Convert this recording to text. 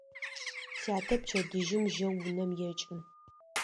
Сятэ пчэдыжьым жьэу унэм екӏы.